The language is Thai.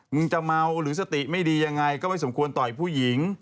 มึงจะเมาหรือสติไม่ดียังไงก็ไม่สมควรต่อยผู้หญิง